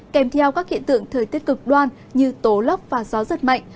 kèm theo các hiện tượng thời tiết cực đoan như tố lốc và gió rất mạnh